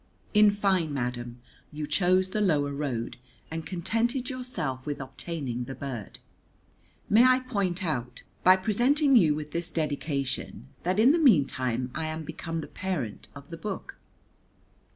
In fine, madam, you chose the lower road, and contented yourself with obtaining the Bird. May I point out, by presenting you with this dedication, that in the meantime I am become the parent of the Book?